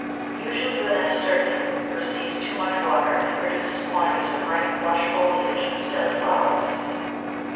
Usually the Nasturtium receives too much water, and produces quantities of rank, lush foliage instead of flowers.